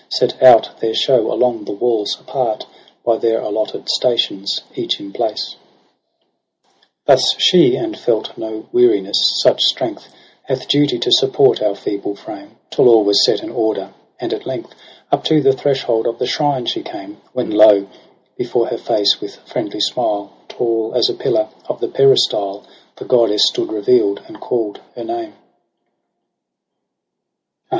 Set out their show along the walls apart By their allotted stations, each in place j lO Thus she, and felt no weariness, — such strength Hath duty to support our feeble frame, — Till all was set in order, and at length Up to the threshold of the shrine she came : When lo ! before her face with friendly smile. Tall as a pillar of the peristyle. The goddess stood reveal'd, and call'd her name.